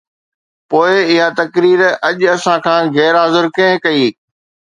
پوءِ اها تقرير اڄ اسان کان غير حاضر ڪنهن ڪئي؟